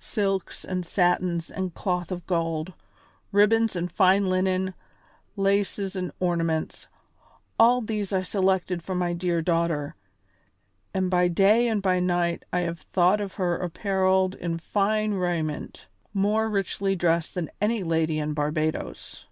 Silks and satins and cloth of gold, ribbons and fine linen, laces and ornaments, all these I selected for my dear daughter, and by day and by night I have thought of her apparelled in fine raiment, more richly dressed than any lady in Barbadoes.